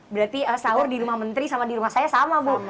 berarti sahur di rumah menteri sama di rumah saya sama bu